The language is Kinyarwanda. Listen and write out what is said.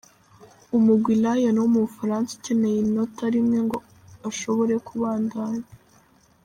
Umugwi Lyon wo mu Bufaransa ukeneye inota rimwe ngo ushobore kubandanya.